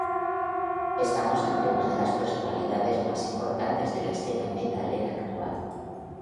Estamos ante una de las personalidades más importantes de la escena metalera actual.